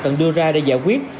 cần đưa ra để giải quyết